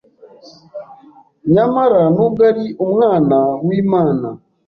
Nyamara, nubwo ari Umwana w’Imana,